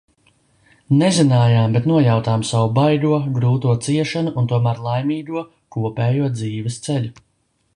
Nezinājām, bet nojautām savu baigo, grūto ciešanu un tomēr laimīgo, kopējo dzīves ceļu.